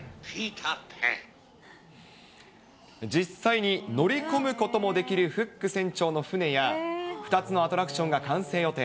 実際に乗り込むこともできるフック船長の船や、２つのアトラクションが完成予定。